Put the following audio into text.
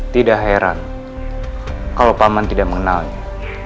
tidak heran kalau paman tidak mengenalnya